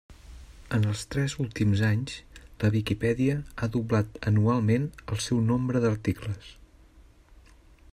En els tres últims anys la Viquipèdia ha doblat anualment el seu nombre d'articles.